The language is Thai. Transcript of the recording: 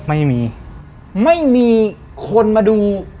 ไม่มีคนมาดู